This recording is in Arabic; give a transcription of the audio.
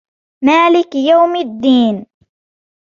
مَالِكِ يَوْمِ الدِّينِ